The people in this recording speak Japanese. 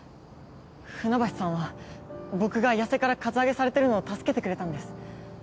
船橋さんは僕が矢瀬からカツアゲされてるのを助けてくれたんです。